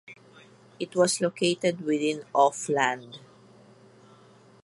It was located within of land.